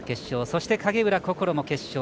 そして、影浦心も決勝。